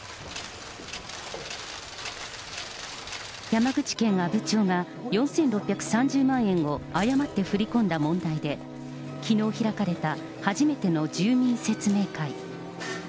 山口県阿武町が４６３０万円を誤って振り込んだ問題で、きのう開かれた初めての住民説明会。